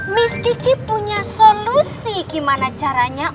miss kiki punya solusi gimana caranya